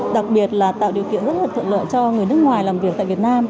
đặc biệt là tạo điều kiện rất là thuận lợi cho người nước ngoài làm việc tại việt nam